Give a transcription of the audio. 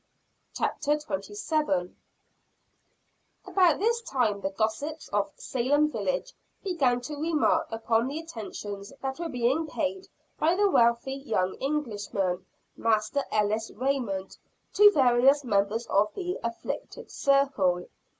CHAPTER XXVII. The Dissimulation of Master Raymond. About this time the gossips of Salem village began to remark upon the attentions that were being paid by the wealthy young Englishman, Master Ellis Raymond, to various members of the "afflicted circle."